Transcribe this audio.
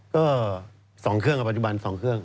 ก็๒เครื่องกับปัจจุบัน๒เครื่อง